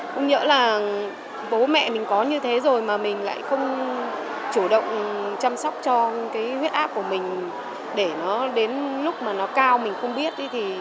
không nhớ là bố mẹ mình có như thế rồi mà mình lại không chủ động chăm sóc cho cái huyết áp của mình để nó đến lúc mà nó cao mình không biết